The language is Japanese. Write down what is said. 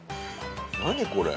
何これ？